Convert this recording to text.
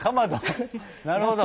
なるほど。